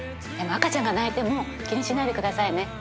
でも赤ちゃんが泣いても気にしないでくださいね。